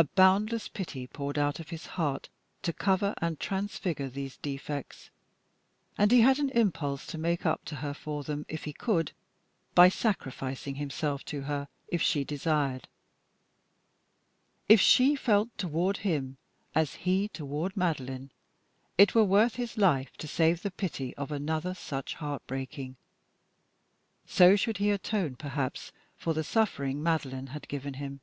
A boundless pity poured out of his heart to cover and transfigure these defects, and he had an impulse to make up to her for them, if he could, by sacrificing himself to her, if she desired. If she felt toward him as he toward Madeline, it were worth his life to save the pity of another such heart breaking. So should he atone, perhaps, for the suffering Madeline had given him.